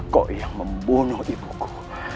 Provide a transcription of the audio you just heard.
kau yang membunuh ibuku